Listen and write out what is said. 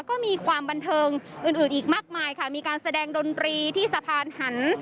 ก็มีความบันเทิงอื่นอื่นอีกมากมายค่ะมีการแสดงดนตรีที่สะพานหัน